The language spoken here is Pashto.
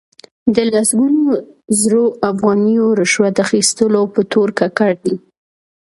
د لسګونو زرو افغانیو رشوت اخستلو په تور ککړ دي.